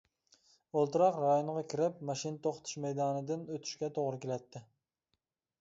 ئولتۇراق رايونغا كىرىپ ماشىنا توختىتىش مەيدانىدىن ئۆتۈشكە توغرا كېلەتتى.